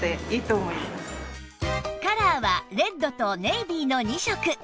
カラーはレッドとネイビーの２色